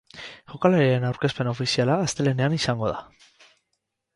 Jokalariaren aurkezpen ofiziala astelehenean izango da.